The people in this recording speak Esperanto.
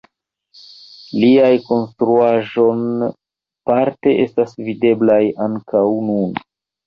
Liaj konstruaĵoj parte estas videblaj ankaŭ nun.